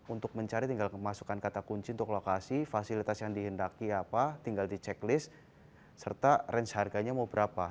untuk mencari tinggal kemasukan kata kunci untuk lokasi fasilitas yang dihendaki apa tinggal di checklist serta range harganya mau berapa